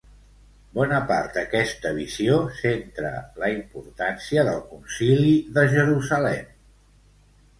Bona part d'aquesta visió centra la importància del concili de Jerusalem.